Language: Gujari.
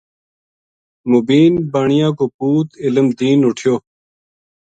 موبین بانیا کو پُوت علم دین اُٹھیو